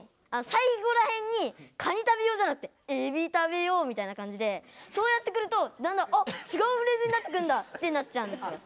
最後らへんに「カニ食べよう」じゃなくて「エビ食べよう」みたいな感じでそうやってくるとだんだんあっ違うフレーズになってくんだってなっちゃうんですよ。